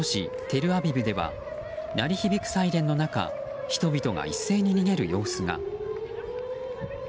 テルアビブでは鳴り響くサイレンの中人々が一斉に逃げる様子が。